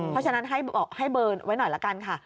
เพราะฉะนั้นให้เบอร์ไว้หน่อยละกันค่ะ